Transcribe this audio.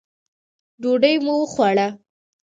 ډوډۍ مو وخوړه.